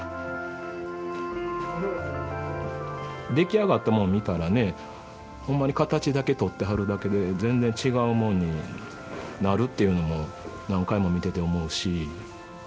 出来上がったもの見たらねほんまに形だけとってはるだけで全然違うもんになるっていうのも何回も見てて思うし。